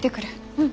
うん。